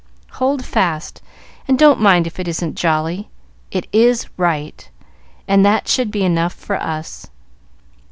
Hold fast, and don't mind if it isn't 'jolly': it is right, and that should be enough for us."